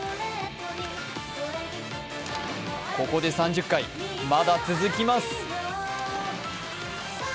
ここで３０回、まだ続きます。